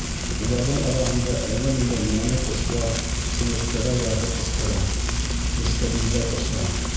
Уларҙың араһында әллә ниндәй моңло ҡоштар, сиңерткәләр ярһып ҡысҡыра, нескәбилдәр оса.